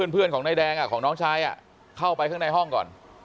เพื่อนของนายแดงของน้องชายเข้าไปข้างในห้องก่อน